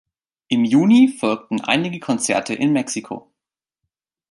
Im Juni folgten einige Konzerte in Mexiko.